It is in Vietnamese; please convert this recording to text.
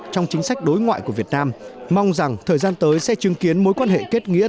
trong chính sách đối ngoại của việt nam mong rằng thời gian tới sẽ chứng kiến mối quan hệ kết nghĩa